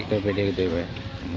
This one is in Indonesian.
dpd itu ya pak